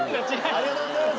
ありがとうございます。